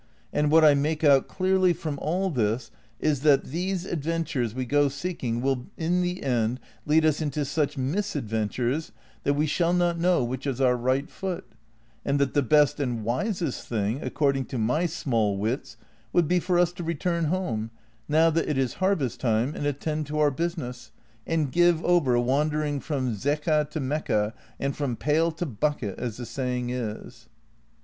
and what I make out clearly from all this is, that these advent ures we go seeking will in the end lead us into such misad ventures that we shall not know which is our right foot ; and that the best and wisest thing, according to my small wits, would be for us to return home, now that it is harvest time, and attend to our business, and give over wandering from Zeca to Mecca and from pail to bucket, as the saying is."